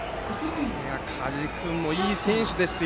加地君、いい選手ですよ。